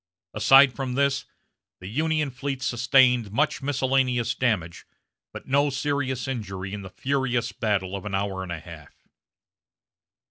Aside from this, the Union fleet sustained much miscellaneous damage, but no serious injury in the furious battle of an hour and a half.